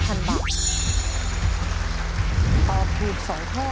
ตอบถูก๒ข้อ